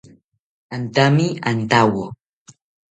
Antami antawo